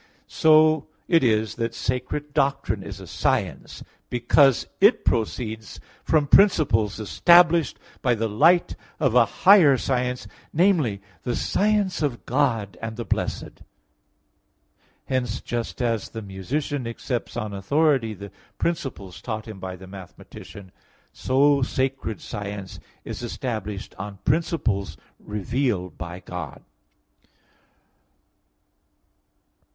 So it is that sacred doctrine is a science because it proceeds from principles established by the light of a higher science, namely, the science of God and the blessed. Hence, just as the musician accepts on authority the principles taught him by the mathematician, so sacred science is established on principles revealed by God.